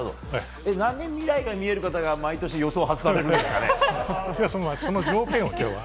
なんで未来が見える方が毎年予想を外されるのかね。